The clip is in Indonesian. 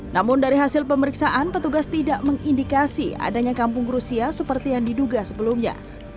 namun dari hasil pemeriksaan petugas tidak mengindikasi adanya kampung rusia seperti yang diduga sebelumnya